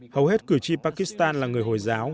hầu hết cử tri pakistan là người hồi giáo